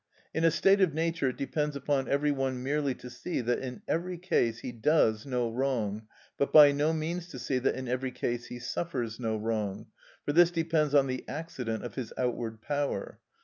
In a state of nature it depends upon every one merely to see that in every case he does no wrong, but by no means to see that in every case he suffers no wrong, for this depends on the accident of his outward power.